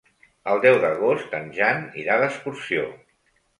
El deu d'agost en Jan irà d'excursió.